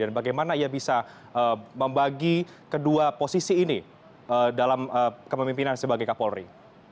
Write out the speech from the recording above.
dan bagaimana ia bisa membagi kedua posisi ini dalam kepemimpinan sebagai kapolri